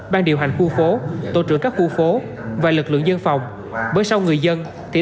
ban điều hành khu phố tổ trưởng các khu phố và lực lượng dân phòng bởi sau người dân thì